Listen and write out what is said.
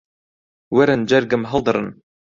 وەرن جەرگم هەڵدڕن